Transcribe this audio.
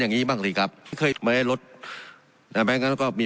อย่างงี้บ้างซี่ครับเคยมาให้รสอ่ะมั้ยงั้นก็มี